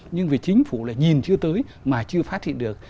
nhưng vì chính phủ là nhìn chưa tới mà chưa phát hiện được